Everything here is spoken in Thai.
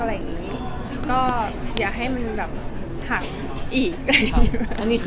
ไม่อยากให้หักอีก